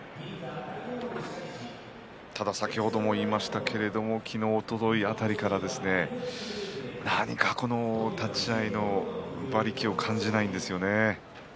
ただ先ほども言いましたけれども昨日、おととい辺りから何か立ち合いの馬力を感じないんですよね。